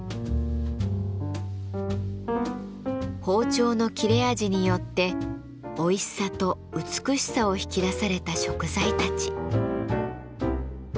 包丁の切れ味によっておいしさと美しさを引き出された食材たち。